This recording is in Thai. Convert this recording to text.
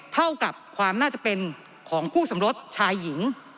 เท่ากับความน่าจะเป็นของคู่สมรสชายหญิง